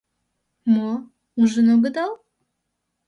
Мо, ужын огыдал?